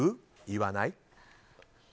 言わない？